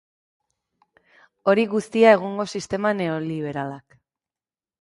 Hori guztia egungo sistema neoliberalak.